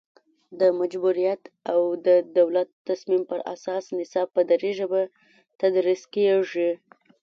د مجبوریت او د دولت تصمیم پر اساس نصاب په دري ژبه تدریس کیږي